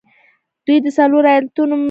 دوی د څلورو ايالتونو لويه برخه جوړوله